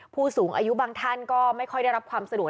ผู้สูงอายุบางท่านก็ไม่ค่อยได้รับความสะดวก